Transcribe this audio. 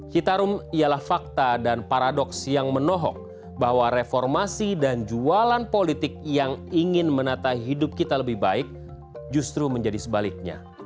citarum ialah fakta dan paradoks yang menohok bahwa reformasi dan jualan politik yang ingin menata hidup kita lebih baik justru menjadi sebaliknya